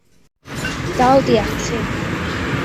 Dal di ati.